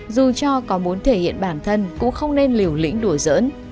dù cho có muốn thể hiện bản thân cũng không nên liều lĩnh đùa giỡn